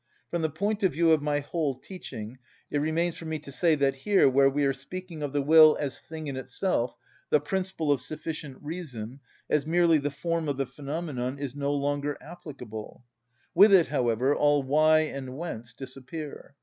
From the point of view of my whole teaching, it remains for me to say that here, where we are speaking of the will as thing in itself, the principle of sufficient reason, as merely the form of the phenomenon, is no longer applicable; with it, however, all why and whence disappear.